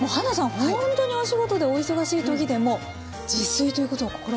ほんとにお仕事でお忙しい時でも自炊ということを心がけてらっしゃる。